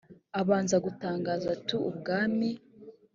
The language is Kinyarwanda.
abanza gutangaza ati ubwami